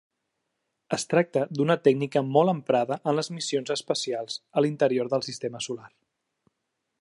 Es tracta d'una tècnica molt emprada en les missions espacials a l'interior del sistema solar.